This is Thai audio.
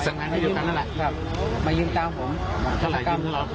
ไอ้สามนี่มาตั้งแต่อยู่ข้างนั่นแหละครับมายิงตามผม